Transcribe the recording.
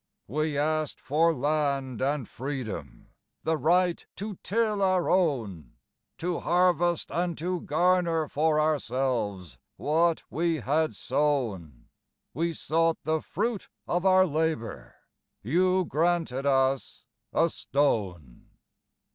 We asked for land and freedom, the right to till our own; To harvest and to garner for ourselves, what we had sown; We sought the fruit of our labour; you granted us a stone.